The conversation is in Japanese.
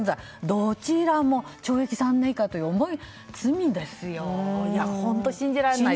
どちらも懲役３年以下という重い罪ですよ。